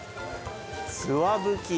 つわぶき。